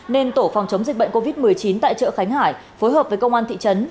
nên tổ phòng chống dịch bệnh covid một mươi chín tại chợ khánh hải phối hợp với công an thị trấn